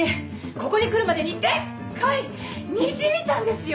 ここに来るまでにデッカい虹見たんですよ！